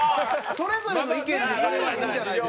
それぞれの意見でそれはいいじゃないですか。